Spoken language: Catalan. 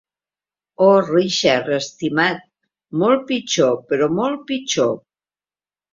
Oh, Richard, estimat, molt pitjor, però molt pitjor!